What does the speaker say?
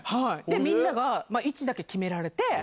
みんなが、位置だけ決められて。